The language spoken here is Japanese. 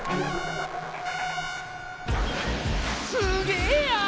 すげえや！